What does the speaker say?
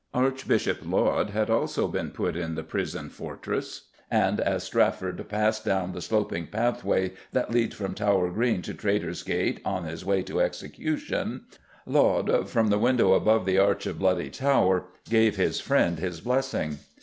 Archbishop Laud had also been put in the prison fortress, and as Strafford passed down the sloping pathway that leads from Tower Green to Traitor's Gate, on his way to execution, Laud, from the window above the arch of Bloody Tower, gave his friend his blessing.